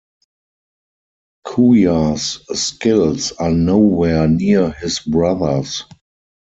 Kouya's skills are nowhere near his brother's.